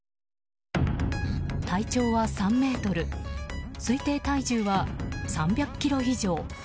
体長は３ｍ推定体重は３００ｋｇ以上。